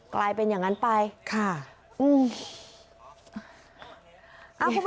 กลายเป็นอย่างนั้นไปค่ะอืม